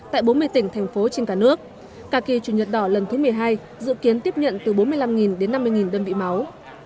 tại bốn mươi tỉnh thành phố trên cả nước cả kỳ chủ nhật đỏ lần thứ một mươi hai dự kiến tiếp nhận từ bốn mươi năm đến năm mươi đơn vị máu